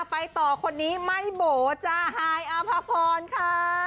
ไปต่อคนนี้ไม่โบ๋จ้าฮายอภพรค่ะ